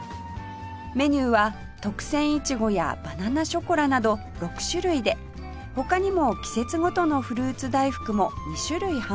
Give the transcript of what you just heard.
メニューは特撰苺やバナナショコラなど６種類で他にも季節ごとのフルーツ大福も２種類販売しています